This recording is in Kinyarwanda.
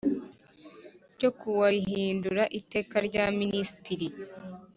ryo kuwa rihindura Iteka rya minisitiri